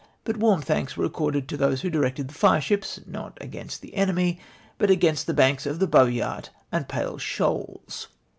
but warm thanks were ac corded to those who directed the fireships, — not against the enemy, but against the banks of the Boyart and Palles shoals